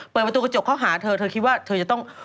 เปิดประตูกระจกเข้าหาเธอเธอคิดว่าเธอจะต้อง